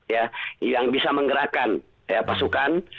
ya yang bisa menggerakkan pasukan